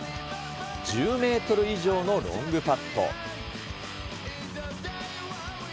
１０メートル以上のロングパット。